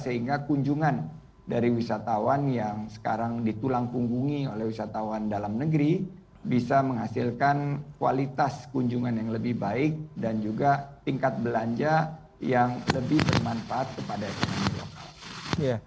sehingga kunjungan dari wisatawan yang sekarang ditulang punggungi oleh wisatawan dalam negeri bisa menghasilkan kualitas kunjungan yang lebih baik dan juga tingkat belanja yang lebih bermanfaat kepada ekonomi lokal